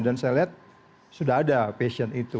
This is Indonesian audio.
dan saya lihat sudah ada passion itu